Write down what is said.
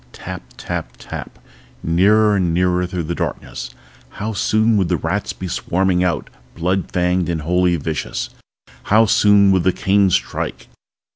Tap, tap, tap nearer and nearer through the darkness. How soon would the rats be swarming out, blood fanged and wholly vicious? How soon would the cane strike?